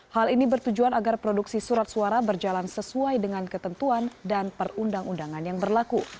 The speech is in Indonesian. hal ini bertujuan agar produksi surat suara berjalan sesuai dengan ketentuan dan perundang undangan yang berlaku